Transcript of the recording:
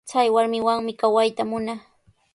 Chay warmiwanmi kawayta munaa.